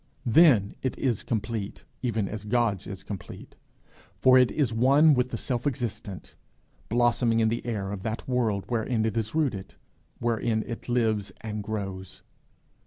Then is it complete even as God's is complete, for it is one with the self existent, blossoming in the air of that world wherein it is rooted, wherein it lives and grows.